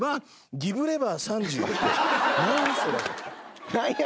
「ギブレバー３０」って。